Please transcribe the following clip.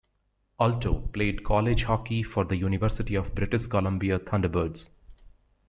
Alto played college hockey for the University of British Columbia Thunderbirds.